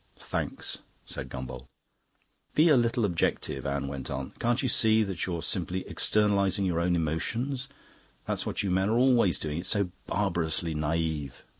"Thanks," said Gombauld. "Be a little objective," Anne went on. "Can't you see that you're simply externalising your own emotions? That's what you men are always doing; it's so barbarously naive.